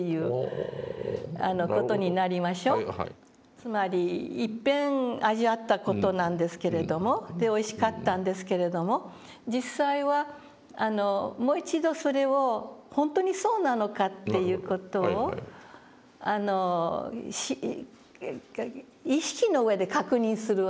つまりいっぺん味わった事なんですけれどもでおいしかったんですけれども実際はもう一度それをほんとにそうなのかっていう事を意識の上で確認するわけですよね。